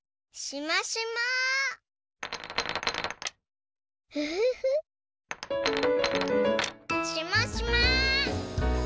しましま！